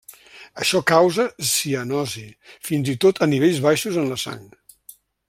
Això causa cianosi, fins i tot a nivells baixos en la sang.